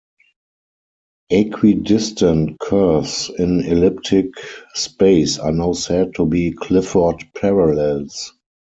Equidistant curves in elliptic space are now said to be Clifford parallels.